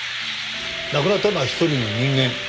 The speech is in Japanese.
亡くなったのは一人の人間。